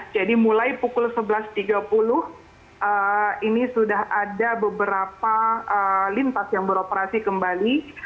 jadi mulai pukul sebelas tiga puluh ini sudah ada beberapa lintas yang beroperasi kembali